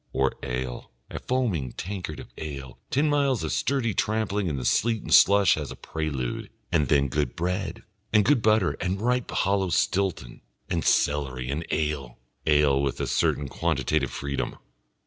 Or ale, a foaming tankard of ale, ten miles of sturdy tramping in the sleet and slush as a prelude, and then good bread and good butter and a ripe hollow Stilton and celery and ale ale with a certain quantitative freedom.